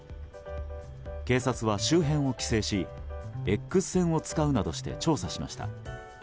警察は周辺を規制しＸ線を使うなどして調査しました。